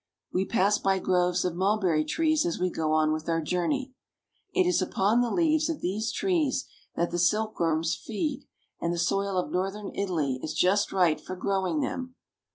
We pass by groves of mulberry trees as we go on with our journey. It is upon the leaves of these trees that the silkworms feed, and the soil of northern Italy is just right for grow ing them.